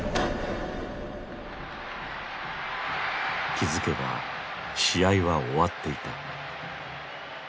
気付けば試合は終わっていた。